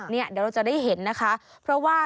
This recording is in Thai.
เดี๋ยวเราจะได้เห็นนะคะเพราะว่า